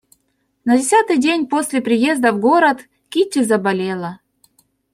На десятый день после приезда в город Кити заболела.